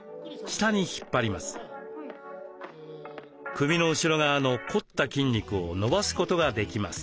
首の後ろ側の凝った筋肉を伸ばすことができます。